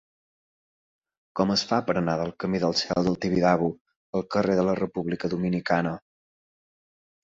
Com es fa per anar del camí del Cel del Tibidabo al carrer de la República Dominicana?